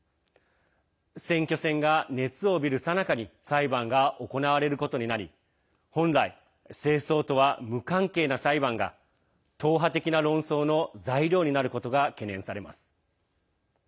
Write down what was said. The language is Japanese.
選挙戦が熱を帯びるさなかに裁判が行われることになり本来、政争とは無関係な裁判が党派的な論争の材料になることが懸念されます。